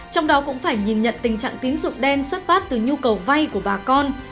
trong đó cũng phải nhìn nhận tình trạng tín dụng đen xuất phát từ nhu cầu vay của bà con